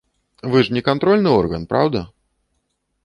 Вы ж не кантрольны орган, праўда?